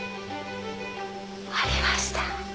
ありました